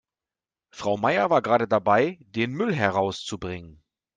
Frau Meier war gerade dabei, den Müll herauszubringen.